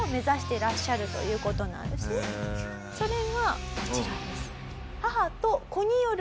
それがこちらです。